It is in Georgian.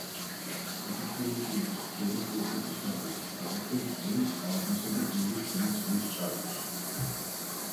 საქართველოში იგი გვხვდება კოლხეთის დაბლობზე, აგრეთვე მტკვრის, ალაზნისა და ივრის ქვემო წელის ჭალებში.